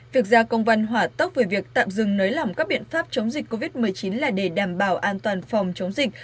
việc ra công văn hỏa tốc về việc tạm dừng nới lỏng các biện pháp chống dịch covid một mươi chín là để đảm bảo an toàn phòng chống dịch